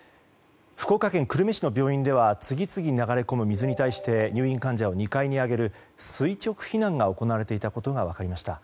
福岡県久留米市の病院では次々に流れ込む水に対して入院患者を２階に上げる垂直避難が行われていたことが分かりました。